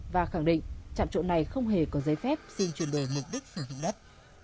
và khẳng định trạm trộn này không hề có giấy phép xin chuyển đổi mục đích sử dụng đất